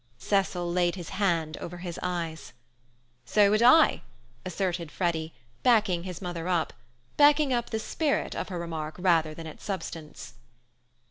Cecil laid his hand over his eyes. "So would I," asserted Freddy, backing his mother up—backing up the spirit of her remark rather than the substance.